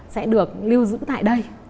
sẽ được lưu giữ tại đây